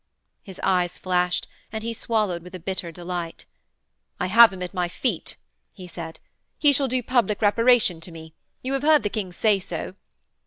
His eyes flashed, and he swallowed with a bitter delight. 'I have him at my feet,' he said. 'He shall do public reparation to me. You have heard the King say so.'